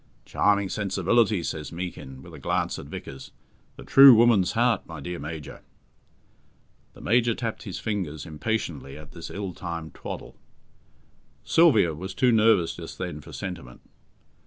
"Charming sensibility!" says Meekin, with a glance at Vickers. "The true woman's heart, my dear Major." The Major tapped his fingers impatiently at this ill timed twaddle. Sylvia was too nervous just then for sentiment.